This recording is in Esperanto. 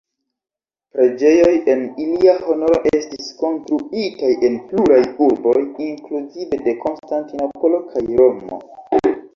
Preĝejoj en ilia honoro estis konstruitaj en pluraj urboj, inkluzive de Konstantinopolo kaj Romo.